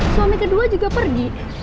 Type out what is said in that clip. suami kedua juga pergi